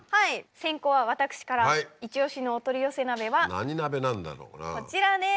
先攻は私からイチ押しのお取り寄せ鍋はこちらです。